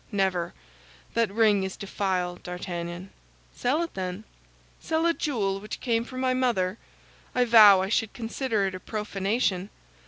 Never; that ring is defiled, D'Artagnan." "Sell it, then." "Sell a jewel which came from my mother! I vow I should consider it a profanation."